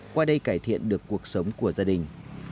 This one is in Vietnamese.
qua đây cải thiện được cuộc sống của gia đình